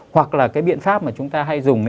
hoặc là cái biện pháp mà chúng ta hay dùng ấy